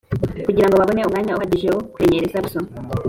kugira ngo babone umwanya uhagije wo kwimenyereza gusoma.